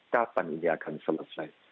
kapan ini akan selesai